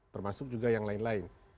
termasuk juga yang lain lain